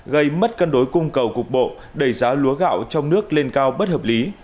gây mất cân đối cung cầu cục bộ đẩy giá lúa gạo trong nước lên cao bất hợp lý